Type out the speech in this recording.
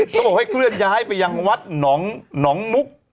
เขาบอกให้เคลื่อนย้ายไปยังวัดหนองมุก